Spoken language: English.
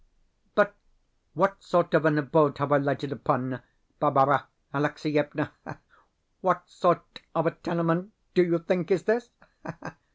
But what sort of an abode have I lighted upon, Barbara Alexievna? What sort of a tenement, do you think, is this?